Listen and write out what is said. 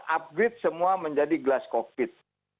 upgrade semua menjadi glass cockpit